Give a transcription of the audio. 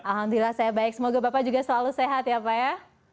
alhamdulillah saya baik semoga bapak juga selalu sehat ya pak ya